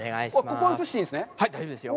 ここは映して大丈夫ですね。